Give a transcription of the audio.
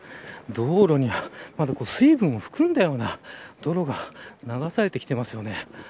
道路にはまだ水分を含んだような泥が流されてきていますよね。